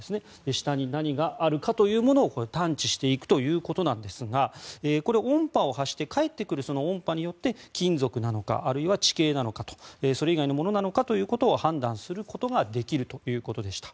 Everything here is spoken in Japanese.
下に何があるかというものを探知していくということですがこれ音波を発して返ってくる音波によって金属なのかあるいは地形なのかそれ以外のものなのかを判断することができるということでした。